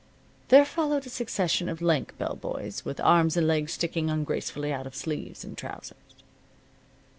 There followed a succession of lank bell boys, with arms and legs sticking ungracefully out of sleeves and trousers.